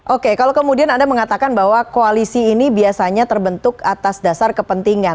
oke kalau kemudian anda mengatakan bahwa koalisi ini biasanya terbentuk atas dasar kepentingan